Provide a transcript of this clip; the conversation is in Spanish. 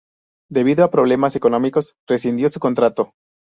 Debido a problemas económicos rescindió su contrato.